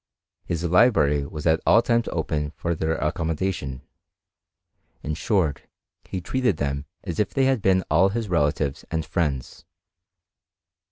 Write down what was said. His library was at all times open for their accommodation : in short, he treated them as if they had been all his (relatives and friends.